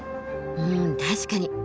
うん確かに！